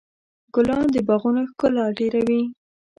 ګلان د باغونو ښکلا ډېروي.